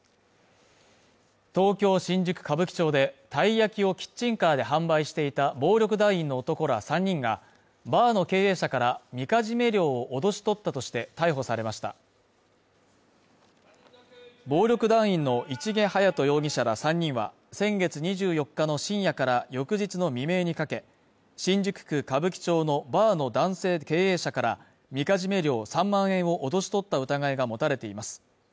東京・新宿歌舞伎町でたい焼きをキッチンカーで販売していた暴力団員の男ら３人がバーの経営者からみかじめ料を脅し取ったとして逮捕されました暴力団員の市毛勇人容疑者ら３人は先月２４日の深夜から翌日の未明にかけ新宿区・歌舞伎町のバーの男性経営者からみかじめ料３万円を脅し取った疑いが持たれています